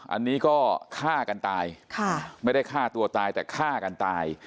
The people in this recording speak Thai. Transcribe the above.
อันนี้ก็ฆ่ากันตายไม่ได้ฆ่าตัวตายแต่ฆ่ากันตาย